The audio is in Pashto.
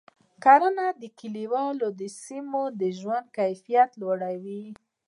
کرنه د کلیوالو سیمو د ژوند کیفیت لوړوي.